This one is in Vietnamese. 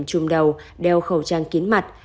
chùm đầu đeo khẩu trang kiến mặt